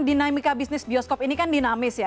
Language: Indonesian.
dinamika bisnis bioskop ini kan dinamis ya